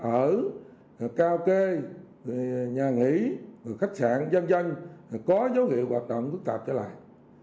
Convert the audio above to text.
ở cao kê nhà nghỉ khách sạn dân doanh có dấu hiệu hoạt động phức tạp trở lại